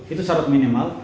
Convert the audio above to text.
itu syarat minimal